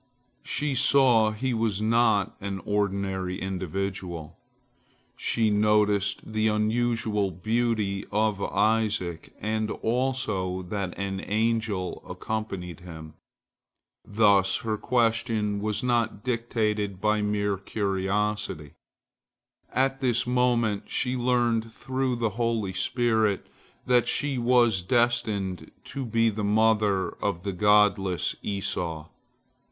She saw he was not an ordinary individual. She noticed the unusual beauty of Isaac, and also that an angel accompanied him. Thus her question was not dictated by mere curiosity. At this moment she learnt through the holy spirit, that she was destined to be the mother of the godless Esau.